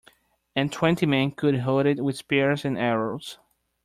And twenty men could hold it with spears and arrows.